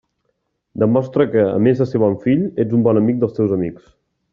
Demostra que, a més de ser bon fill, ets un bon amic dels teus amics.